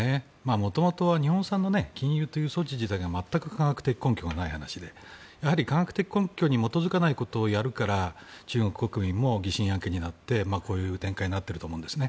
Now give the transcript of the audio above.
元々は日本産の禁輸という措置自体が全く科学的根拠がない話でやはり科学的根拠に基づかないことをやるから中国国民も疑心暗鬼になってこういう展開になっていると思うんですね。